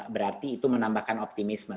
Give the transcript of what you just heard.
berarti itu menambahkan optimisme